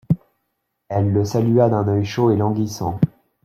Elle le salua d'un œil chaud et languissant.